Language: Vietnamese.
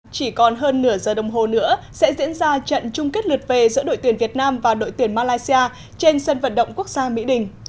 chỉ còn hơn nửa giờ đồng hồ nữa sẽ diễn ra trận chung kết lượt về giữa đội tuyển việt nam và đội tuyển malaysia trên sân vận động quốc gia mỹ đình